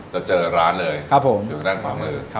จะเจอร้านเลยอยู่ด้านขวามือ